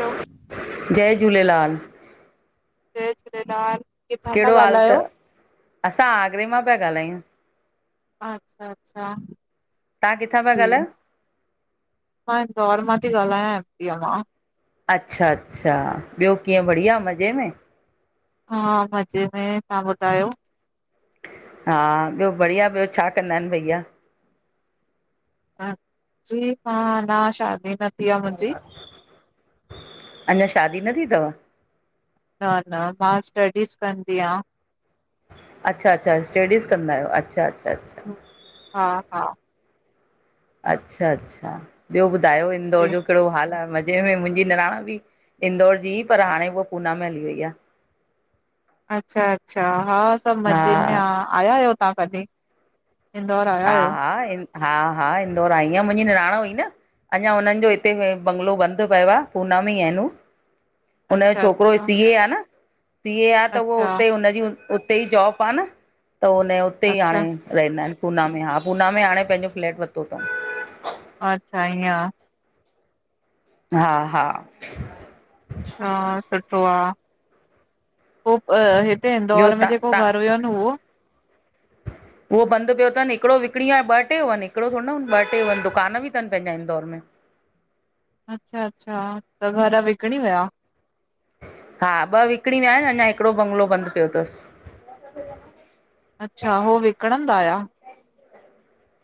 Hello, जय झूलेलाल। जय झूलेलाल! किथां था कहिड़ो हाल ॻाल्हायो? तव? असां आगरे मां पिया ॻाल्हायूं। अच्छा अच्छा अच्छा! तान किथां पिया ॻाल्हयो? मां इंदौर मां थी ॻाल्हायां एम पी अ मां! अच्छा अच्छा! ॿियो कीअं बढ़िया मज़े में? हा मजे में तव्हां ॿुधायो हा ॿियो बढ़िया ॿियो छा कंदा आहिनि भईया? ह जी हा न शादी न थी आ मुंहिंजी। अच्छा--अञा शादी न थी अथव न न मां स्टडीज़ कंदी आं। अच्छा अच्छा स्टडीज़ कंदा आहियो अच्छा अच्छा! ह हा हा! अच्छा अच्छा! ॿियो ॿुधायो इंदौर जी, जो कहिड़ो हाल आहे मज़ पंहिंरे मुंहिंजी निराणन बि इंदौर जी पर हाणे उअ पूना में हली वई आह अच्छा अच्छा! हा सभ मजे में हा आहे आया आहियो तव्हां कॾहिं। इंदौर आया हा आहियो? हा इंद हा हा इंदौर आईं इन मुंहिंजी निराणान हुई न! अञा हुननि जो हिते बंगलो बंदि पयो आहे पूना में ई आहिनि हू हुनजो अच्छा छोकिरो अच्छा सीए आह न! सीए आहे त उहो अच्छा उते हुनजी उत् उते ई जॉब आहे न त उनज उते ई हाणे अच्छा रहंदा आहिनि। पूना में हा, पूना में हाणे पंहिंजो फ़्लैट वतो तऊं। अच्छा ईंय आ। हा हा। हा सुठो आ। पो अ हिते ॿियो इंदौर में तव्हां जेको तव्हां घर हुयो न उहो उहो बंद पियो तनि हिकिड़ो विकिणी आ ॿ टे हुवन हिकिड़ो थोड़ी हुयुनि न ॿ टे दुकान बि तनि पंहिंजा इंदौर में। अच्छा अच्छा, त घर विकिणी वया? हा ॿ विकिणी वया आहिनि अञा हिकिड़ो बंगलो बंद पियो तसि। [inaudible] अच्छा हो विकणंदा या।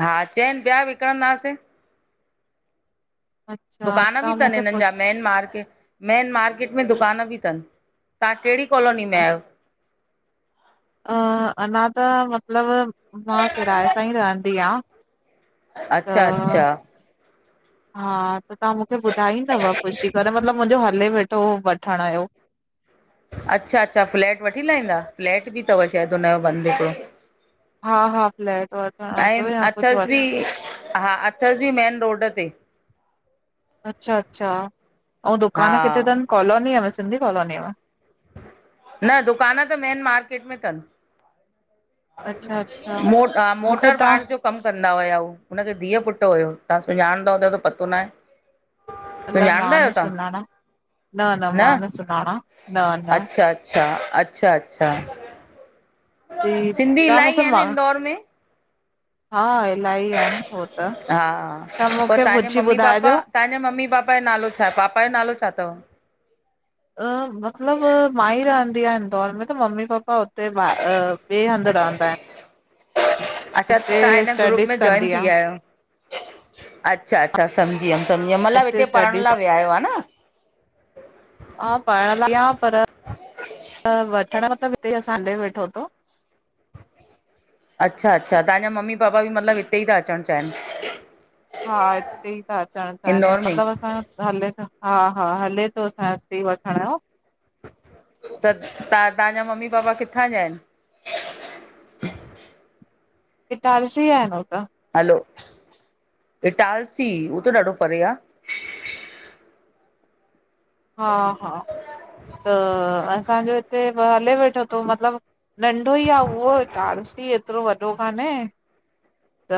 हा चइनि पया विकणंदासें। अच्छा दुकान बि तव्हां तनि मूंखे हिननि पुछ जा मेन मार्केट में मेन मार्केट में दुकान बि तनि, तहां कहिड़ी कॉलोनी में आयो? अ अञा त मतिलब मां किराए सां ई रहंदी आ। त अच्छा अच्छा हा। त तहां मूंखे ॿुधाईंदव पुछी करे मतलब मुंहिंजो हले वेठो वठण जो। अच्छा अच्छा फ्लैट वठी लाहींदा फ्लैट बि तव शायदि हुनजो बंदि हिकिड़ो। हा हा फ्लेट वठण आंदो ऐं या कुछु अथसि बि वठ हा अथसि बि मेन रोड ते। अच्छा अच्छा, अऊं हा दुकान किथे तनि कॉलोनीअ में सिंधी कॉलोनीअ में? न, दुकान त मेन मार्केट में तनि। अच्छा अच्छा मूंखे मोटर तव्हां बार जो कम कंदा हुया हुंनखे धीअ पुटु हुयो तहां सुञाणंदा हुदव त पतो न आहे। अलाए मां सुञाणंदा आहियो न तव्हां सुञाणा न न मां न सुञाणा। न न अच्छा अच्छा, अच्छा अच्छा। जी सिंधी तव्हां इलाही मूंखे आहिनि मा इंदौर में। हा इलाही आहिनि हो त, हा त मूंखे पुछी ॿुधाइजो। तहांजे मम्मी पापा जो नालो छा पापा जो नालो छा तव? अ मतिलब मां ई रहंदी आ इंदौर में त मम्मी पापा हुते बा अच्छा हिते तहां हिन ग्रुप स्टडीस में जॉइन कंदी थी आ वया आहियो। अच्छा अच्छा सम्झी वियमि सम्झीयमि मतलब हिते पढ़ण लाइ विया आयो हा न? हा पढ़ण लाइ पर वठण मतिलबु हिते ई सांडे वेठो तो। अच्छा अच्छा तहां जा मम्मी पापा बि मतिलबु हिते ई ता अचणु चाहिनि। हा हिते ई ता अचणु चाइनि इंदौर में ई? मतलबु असां यो। हले तो, हा हा हले तो असांयो ईते वठणयो। त त तहां जा मम्मी पापा किथां जा आहिनि? इटारसी ॼा आहिन हो त। हलो, इटालसी हो त ॾाढो परे आ। हा हा त असां जो हिते हले वेठो थो मतिलबु नंढो ई आ उहो इटारसी एतिरो वॾो कान्हे। त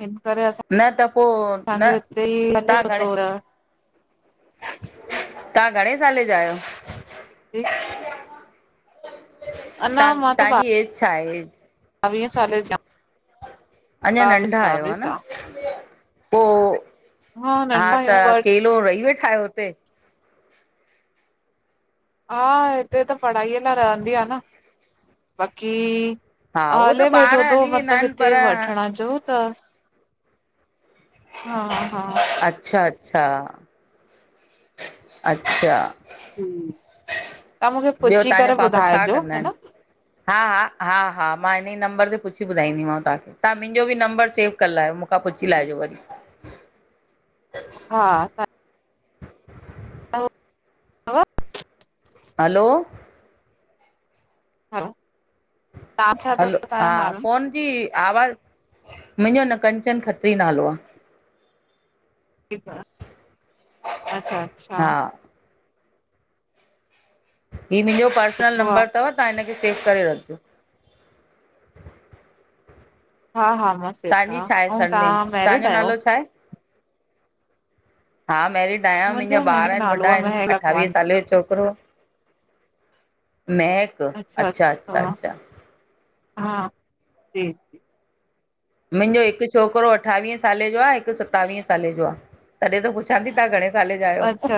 हिन करे असां न त पो न हले तहां घणे थो रह तहां घणे साले जा आहियो? जी। तां तांजी ऐज छा आहे? ॿावीहें सालें जा। अञा नंढ़ा आयो, हा न। आ। पो, हा नंढा आहियूं त बट अकेलो रही वेठा आयो हुते? हा हिते त पढ़ाईअ लाइ रहंदी आं न, बाक़ी हा, हा उहो त हले ॿार वेठो तो हली वेंदा मतलब आहिनि पर हिते वठण जो ता हा हा अच्छा अच्छा अच्छा जी, तहां मूखे ॿियो पुछी तव्हांजा करे पापा छा ॿुधाइजो, कंदा है आहिनि? न। हा हा, हा हा, मां इनईं नंबर ते पुछी ॿुधाईंदीमांव तहांखे। तहां मिंजो बी नंबर सेव करे लायो मूखां पुछी लाइजो वरी। हा तव्हांजो तव्हां हलो! हलो! हलो! हा नालो? फ़ोन जी आवाज़, मुंजो न कंचन खत्री नालो आ। ठीक आ, अच्छा अच्छा! हा ही मिंजो पर्सनल सुठो आ नंबर तव, तहां हिनखे सेव करे रखजो। हा हा, हस् तांजी छाहे सरनेम, तांजो नालो छाहे? हा मैरिड। खयां, मुंजा मुंहिंजो ॿार महक एन, नालो वॾा आहे एन, महक अठावीह लखवानी सालें जो छोकरो आ। महक, अच्छा अच्छा अच्छा! हा, जी। मुंजो हिक छोकरो अठावीहें सालें जो आ, हिक सतावीहें साले जो आ, तॾहिं त पुछां थी तां घणे साले जायो? अच्छा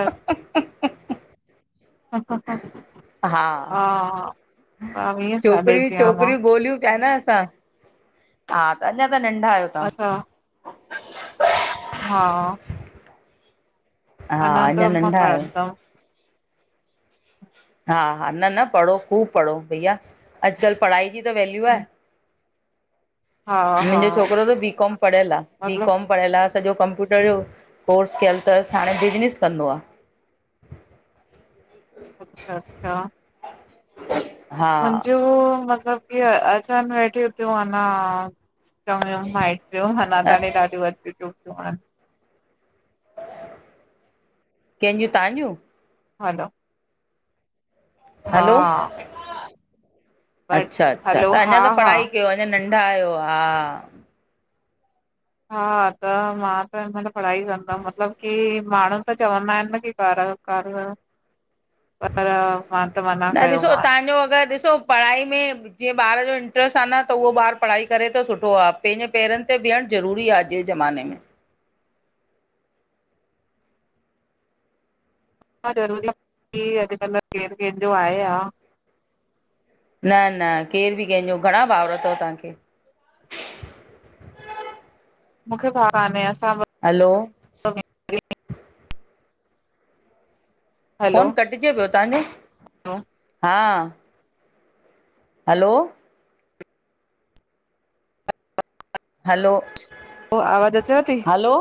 हा, हा, हा हा, ॿावीह साले छोकरयूं जी आहियां मां छोकरयूं गोल्हियूं प्या न असां। हा, त अञा त नंढ़ा आयो। असां हा हा, त अञा मां नंढ़ा आयो। पढ़ंदमि हा हा, न न, पढ़ो ख़ूब पढ़ो, भइया अॼकल पढ़ाई जी त वैल्यू आहे, हा हा मुंजो छोकरो त बी, कॉम पढ़यल आहे, बी, मतलब कॉम पढ़यल आ, सॼो कंप्यूटर जो कोर्स क्यल तस, हाणे बिज़निस कंदो आ। अच्छा अच्छा हा मुजूं, मतलब की अचन वेठियूं त्यूं अञा। चङयूं माइट्रयूं अञा ताणी कंहिंजूं ॾाढ़यूं अची चुकयूं अन। केजूं, तहां ज्यूं? हलो! हलो हा बट अच्छा अच्छा, हलो त अञा हा त हा पढ़ाई क्यो अञा नंढ़ा आयो, हा हा, त मां त हिन महिल पढ़ाई कंदम, मतलब की माणहूं त चवंदा एन न, की कर। कर पर मां त मना न ॾिसो कयोमान तहांजो अगर, ॾिसो पढ़ाई में जीअं ॿार जो इंट्रस्ट आ न त, उहो ॿार पढ़ाई करे त सुठो आ, पैंजे पेरन ते बीहण ज़रूरी आ। जे जमाने में छा ज़रूरी आ कि अॼकल केर केंजो आहे आ न न केर बि कहिंजो घणा भावर तव तहांखे? मूंखे भा काने असां हलो ॿ फोन कटजे पियो तव्हांजो। हो हा हलो हलो, पो आवाज़ अचेव थी? हलो,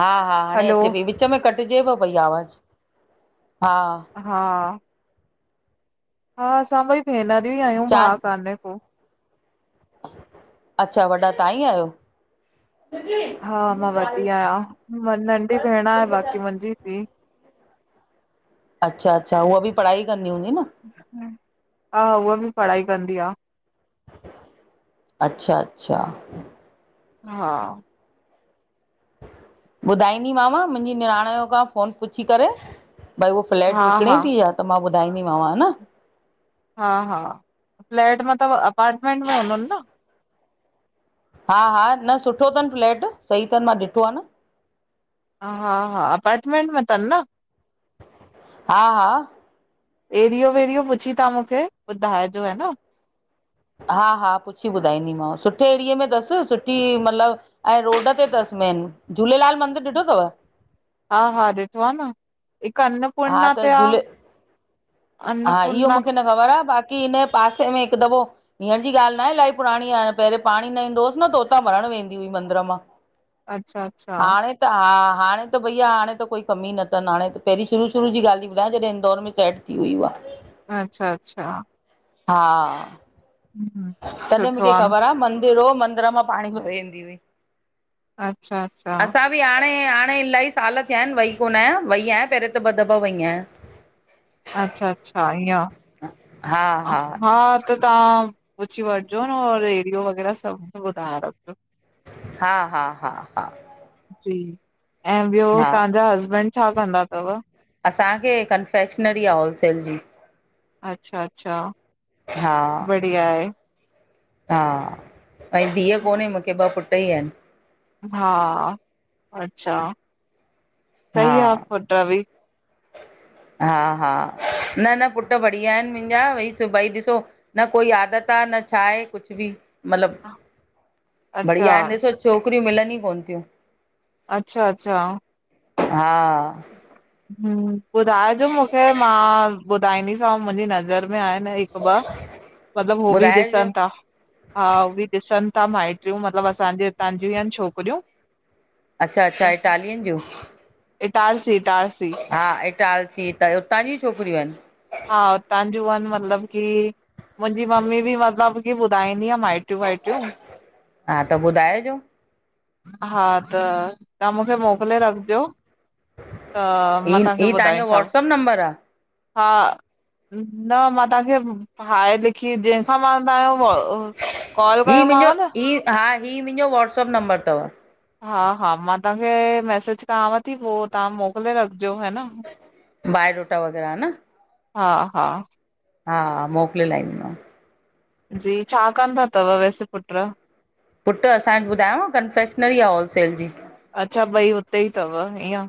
हा हा, हाणे हलो अचे पई विच में कटजेव पई आवाज हा हा हा, असां ॿई भेनर ई आयूं चारि भाउ काने को। अच्छा, वॾा तहां ई आयो। हा, मां वॾी आहियां नंढी भेण आहे बाक़ी मुंजी बी। अच्छा, अच्छा उअ बि पढ़ाई कंदी हूंदी न। हा, उहा बि पढ़ाई कंदी आ। अच्छा, अच्छा हा ॿुधाईंदीमांव मुंजी निणान जो खां फोन पुछी करे भई उहो फ्लैट हा विकणे हा ती छा? त मां ॿुधाईंदीमांव हन। हा, हा फ्लैट मतलब अपार्टमेंट में हूंदन न। हा, हा न सुठो तन फ्लैट सही तन मां ॾिठो आ न। हा, हा, हा अपार्टमेंट में तन न। हा हा एरिओ वेरिओ पुछी तहां मुखे ॿुधाइजो हा न। हा, हा पुछी ॿुधाईंदीमांव सुठे एरिए में तस सुठी मतलब ऐं रोड ते तस मेन झूलेलाल मंदर ॾिठो तव। हा, हा ॾिठो आ न हिक अन हा, त झूले हा, इहो अन्नपूर्णा मुखे न ख़बर आ बाक़ी हिन जे पासे में हिक दफ़ो हींअर जी ॻाल्ह न आहे इलाही पुराणी आहे पेहरियोें पाणी न ईंदो हुयुस न त उतां भरण वेंदी हुई मंदर मां। अच्छा, अच्छा हाणे त हा हाणे त भईया हाणे त कोई कमी न तन हाणे त पेहरीं शुरू शुरू जी ॻाल्ह ती ॿुधायां जॾहिं इंदौर में सेट थी हुई उवा। अच्छा, अच्छा हा हम्म तॾहिं सुठो मुखे आहे न ख़बर आ मंदिर हो मंदर मां पाणी भरे ईंदी हुई। अच्छा, अच्छा असां हाणे, हाणे इलाही साल थिया आहिन वई कोन आयां वई आयां पेहिरें त ॿ दफ़ा वई आयां। अच्छा, अच्छा ईअं हा त तहां पुछी वठजोन और एरियो वग़ैरह सभ मुखे ॿुधाए रखजो। हा, हा, हा, हा जी, ऐं ॿियो हा तव्हांजा हसबैंड छा कंदा तव? असांखे कनफेक्शनरी आ होलसेल जी। अच्छा अचछा हा धीअ आहे। हा ऐं धीअ कोन्हे मूंखे ॿ पुट्र ही आहिनि। हा, अच्छा सही आ हा पुट्र बि। हा हा न न पुट्र बढ़िया आहिनि मुंहिंजा भाई ॾिसो। न कोई आदत आ न छा आहे कुछ बि। मतलब अच्छा, बढ़िया आहिन ॾिसो छोकिरियूं मिलनि हघ कोन थियूं। अच्छा अच्छा हा हम्म ॿुधाइजो मूंखे मां ॿुधाईंदीसां मुंहिंजी नज़र में आहिनि हिक ॿ मतलब हो बि ॿुधाइजो ॾिसंता ता हा, हो बि ॾिस ता माट छियूं मतलब असांजे हितांजीयु आहिनि छोकिरियूं। अच्छा अच्छा ईटालियनि जूं? इटार्सी इटार्सि। हा इटार्सी त उतां जी छोकिरियूं आहिनि? हा उतांजू आहिनि मतलब की मुंहिंजी मम्मी बि मतलब की ॿुधाईंदी आ माइटियूं वाइटियूं। हा त ॿुधाइजो। हा, त तव्हां मूंखे मोकिले रखिजो। हा मां तव्हांखे ॿुधायसव। फोन नंबर आ? हा न, मां तव्हांखे हाए लिखी, जंहिंसां मां तव्हांजो कॉल ही मुंहिंजो कयोमांव न। ही हा हीअं मुंजो वाट्सअप नंबर तव। हा हा मां तव्हांखे मैसेज कयांव थी पो तव्हां मोकिले रखिजो हा न। बायोडोटा वग़ैरह हा न? हा हा। हा मोकिले लहाईंदी मांव। जी, छा कनंदा तव वैसे पुट्र। पुट्र, असां वट ॿुधायांव न कनफेक्शनरी आ होलसेल जी। अच्छा ॿई उते ई तव इअं?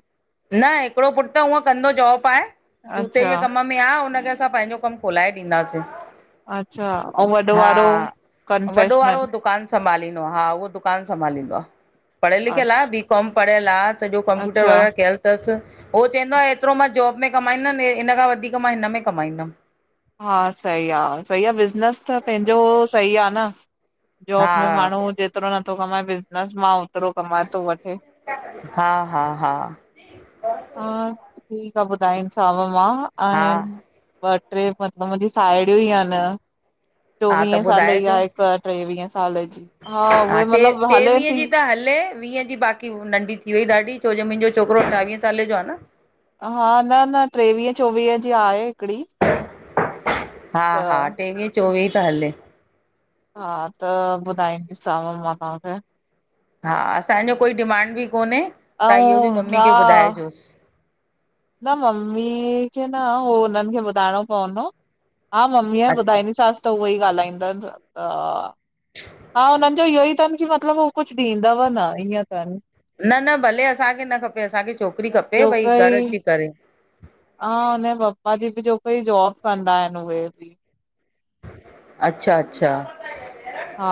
न हिकिड़ो पुट्र हूअं कंदो जॉब आहे, जूते अच्छा जे कम में में आ उनखे असां पंहिंजो कम खोलाए ॾींदासीं। अच्छा ऐं वॾो वारो हा वॾो वारो कंफेशनल दुकानु संभालींदो आ हा, उहो दुकानु संभालींदो आ। पढ़ियलिखियल आ अच्छा बी कॉम पढियल आ सॼो कंप्यूटर अच्छा वग़ैरह कयल तसि उहो चवंदो आहे एतिरो मां जॉब में कमाईंदमि इन खां वधीक मां हिन में कमाईंदमि। हा सही आ सही आ बिज़नेस त पंहिंजो सही आ न। जॉब हा में माण्हू जेतिरो नथो कमाए बिज़नस मां ओतिरो कमाए थो वठे। हा हा हा हा ठीक आ ॿुधाईनि सांव मां हा आहिनि ट्रे मतलब मुंहिंजी साहेड़ियूं ही आहिनि। हा त चोवीह साले जी ॿुधाइजो आहे हिक, ट्रेवीह साले जी, हा उहे टे मतलब हले टेवीह थी। जी त हले वीह जी बाक़ी नंढी थी वई ॾाढी छो जो मुंहिंजो छोकिरो अठावीएं साले जो आ न। हा न न टेवीह, चोवीह जी आहे। हिकिड़ी हा त हा टेवीह, चोवीह त हले हा त ॿुधाईंदीसांव मां तहांखे। हा असांजो कोई डिमांड बि कोन्हे, तां इहो बि ऐं मम्मी हा खे ॿुधाइजोसि। न मम्मी खे न हो हुननि खे ॿुधाइणो पवंदो हा मम्मीअ अच्छा ॿुधाईंदीससि त उहो ई ॻाल्हाईंदसि। त हा हुननि जो इहो ई अथनि की मतिलबु हू कुछु ॾींदव न ईअं अथनि। न न भले असांखे न खपे असांखे, छोकिरी खपे जो भई घरु कोई अची करे। हा हुनजे पप्पा जी बि जोबई जॉब कंदा आहिन उहे बि। अच्छा, अच्छा। हा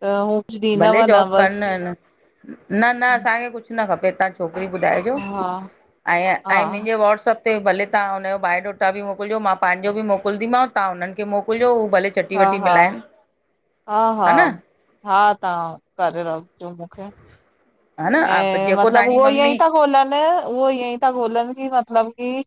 त हू कुछु ॾींदव भले न जॉब कनि बसि।, न न न असांखे कुछु न खपे तां छोकिरी ॿुधाइजो, हा ऐं हा ऐं मुंहिंजे वाट्सप हे भले तहां हुनजो बायोडोटा बि मोकिलजो मां पंहिंजो बि मोकिलंदीमांव तहां हुननि खे मोकिलिजो उह भले चटी हा वटी हा मिलाइनि हा हा हा तहां करे रख रखे, हा न ऐं जेको मतलब तव्हांजी उहो ईअ ई मम्मी ता ॻोल्हनि उहो ई ता ॻोलनि कि मतलब की